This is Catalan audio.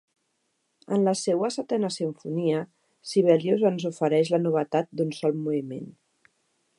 En la seua setena simfonia, Sibelius ens ofereix la novetat d'un sol moviment.